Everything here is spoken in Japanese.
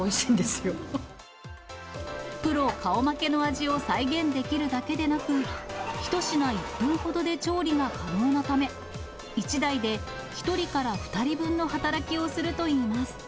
プロ顔負けの味を再現できるだけでなく、１品１分ほどで調理が可能なため、１台で１人から２人分の働きをするといいます。